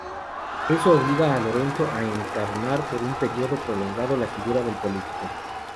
Eso obliga a Lorenzo a encarnar por un periodo prolongado la figura del político.